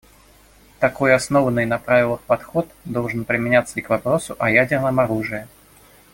Такой основанный на правилах подход должен применяться и к вопросу о ядерном оружии.